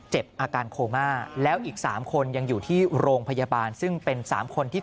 อาการโคม่าแล้วอีก๓คนยังอยู่ที่โรงพยาบาลซึ่งเป็น๓คนที่